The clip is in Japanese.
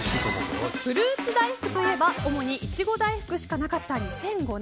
フルーツ大福といえば主にイチゴ大福しかなかった２００５年。